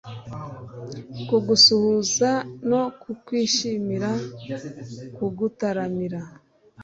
kugusuhuza no kukwishimira, kugutaramira